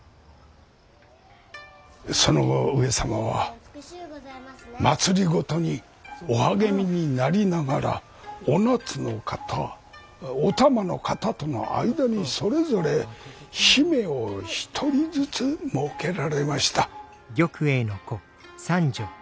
その後上様は政にお励みになりながらお夏の方お玉の方との間にそれぞれ姫を１人ずつもうけられました。